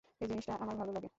এই জিনিসটা আমার ভালোলাগে।